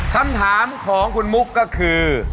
คำถามของคุณมุกก็คือ